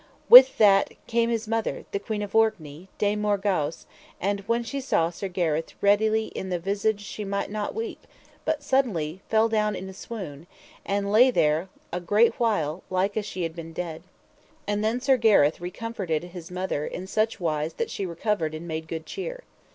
With that came his mother, the Queen of Orkney, Dame Morgawse, and when she saw Sir Gareth readily in the visage she might not weep, but suddenly fell down in a swoon, and lay there a great while like as she had been dead. And then Sir Gareth recomforted his mother in such wise that she recovered and made good cheer.